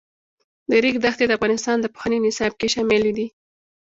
د ریګ دښتې د افغانستان د پوهنې نصاب کې شامل دي.